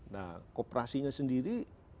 nah kooperasinya sendiri